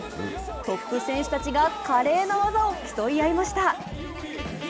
トップ選手たちが華麗な技を競い合いました。